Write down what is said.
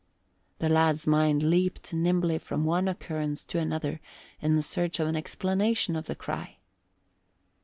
The lad's mind leaped nimbly from one occurrence to another in search for an explanation of the cry.